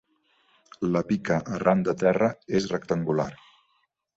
La pica, arran de terra, és rectangular.